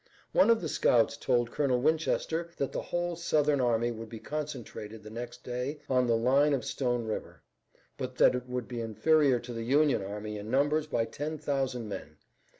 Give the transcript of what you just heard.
One of the scouts told Colonel Winchester that the whole Southern army would be concentrated the next day on the line of Stone River, but that it would be inferior to the Union army in numbers by ten thousand men.